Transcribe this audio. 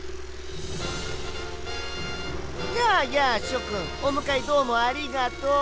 やあやあしょくんおむかえどうもありがとう！